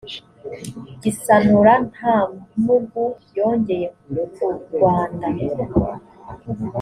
gisanura nta mpugu yongeye ku rwanda